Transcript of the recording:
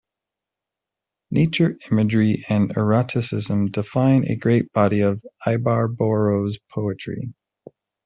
Nature imagery and eroticism define a great body of Ibarbourou's poetry.